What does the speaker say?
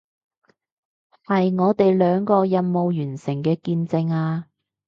係我哋兩個任務完成嘅見證啊